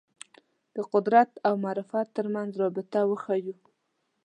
د قدرت او معرفت تر منځ رابطه وښييو